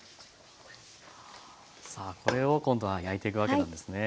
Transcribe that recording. さあこれを今度は焼いていくわけなんですね。